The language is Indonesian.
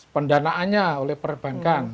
pendanaannya oleh perbankan